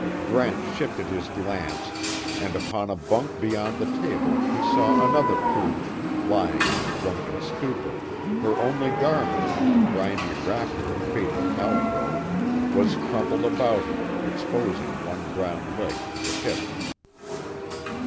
Brent shifted his glance, and upon a bunk beyond the table he saw another klooch, lying in a drunken stupor, her only garment, a grimy wrapper of faded calico, was crumpled about her, exposing one brown leg to the hip.